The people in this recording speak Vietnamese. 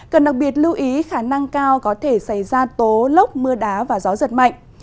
cần đặc biệt lưu ý khả năng cao có thể xảy ra tố lốc mưa đá và gió giật mạnh